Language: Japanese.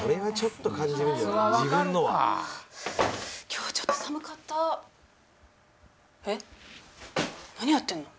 今日ちょっと寒かった・えっ何やってんの？